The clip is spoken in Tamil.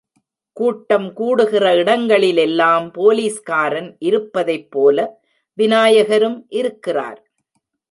கூட்டம் கூடுகிற இடங்களிலெல்லாம் போலீஸ்காரன் இருப்பதைப்போல, விநாயகரும் இருக்கிறார்.